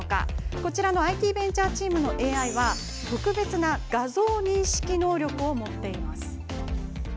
こちらのＩＴベンチャーチームのＡＩは特別な画像認識能力を持っています。